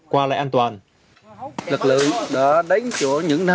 qua lại an toàn